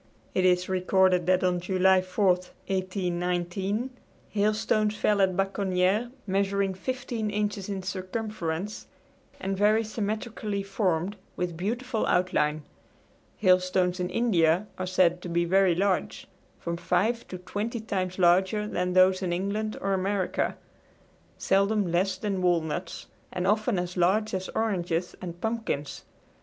It is recorded that on July 4, 1819, hailstones fell at Baconniere measuring fifteen inches in circumference, and very symmetrically formed, with beautiful outline. Hailstones in India are said to be very large from five to twenty times larger than those in England or America seldom less than walnuts and often as large as oranges and pumpkins.